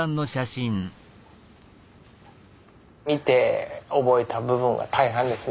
見て覚えた部分が大半ですね。